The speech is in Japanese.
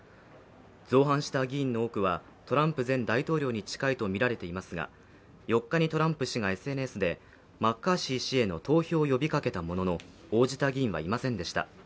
造反した議員の多くはトランプ前大統領に近いとみられていますが、４日に、トランプ氏がＳＮＳでマッカーシー氏への投票を呼びかけたものの応じた議員はいませんでした。